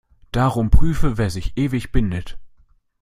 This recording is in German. Darum prüfe, wer sich ewig bindet.